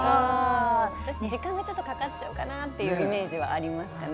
時間もかかっちゃうかなというイメージがありますね。